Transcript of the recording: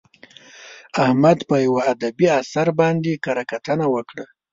احمد په یوه ادبي اثر باندې کره کتنه وکړه.